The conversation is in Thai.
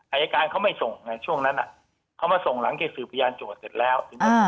อายการเขาไม่ส่งไงช่วงนั้นเขามาส่งหลังจากสืบพยานโจทย์เสร็จแล้ว